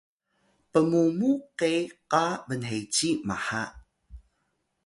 pmumu ke qa bnheci mha